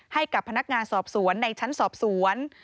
ให้กับพนักงานสอบสวนในชั้นสอบสวน